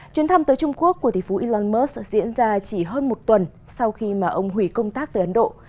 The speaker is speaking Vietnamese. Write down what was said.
chuyến thăm tới trung quốc của tỷ phú elon musk diễn ra chỉ hơn một tuần sau khi mà ông hủy công tác tới ấn độ